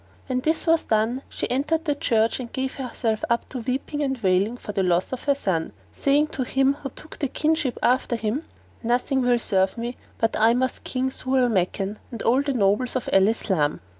When this was done, she entered the church and gave herself up to weeping and wailing for the loss of her son, saying to him who took the kingship after him, "Nothing will serve me but I must kill Zau al Makan and all the nobles of Al Islam."